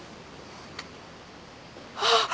あっ。